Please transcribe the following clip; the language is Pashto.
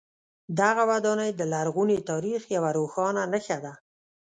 دغه ودانۍ د لرغوني تاریخ یوه روښانه نښه ده.